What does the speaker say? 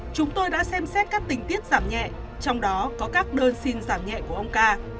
chúng tôi đã xem xét các tình tiết giảm nhẹ trong đó có các đơn xin giảm nhẹ của ông ca